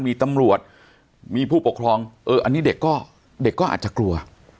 มีตำรวจมีผู้ปกครองเอออันนี้เด็กก็เด็กก็อาจจะกลัว